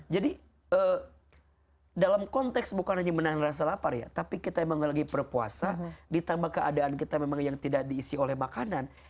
dalam konteks bukan hanya menahan rasa lapar ya tapi kita memang lagi berpuasa ditambah keadaan kita memang yang tidak diisi oleh makanan